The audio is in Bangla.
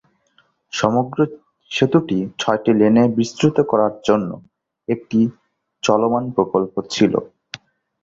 সমগ্র সেতুটি ছয়টি লেনে বিস্তৃত করার জন্য একটি চলমান প্রকল্প ছিল।